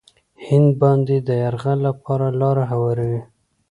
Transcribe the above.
هند باندې د یرغل لپاره لاره هواروي.